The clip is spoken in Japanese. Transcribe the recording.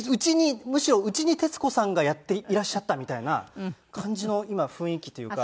むしろうちに徹子さんがやっていらっしゃったみたいな感じの今雰囲気というか。